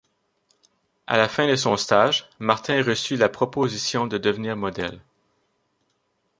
À la fin de son stage, Martin reçut la proposition de devenir modèle.